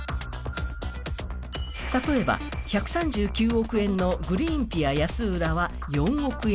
例えば１３９億円のグリーンピア安浦は４億円。